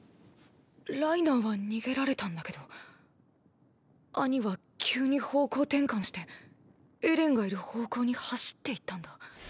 ライナーは逃げられたんだけどアニは急に方向転換してエレンがいる方向に走っていったんだ。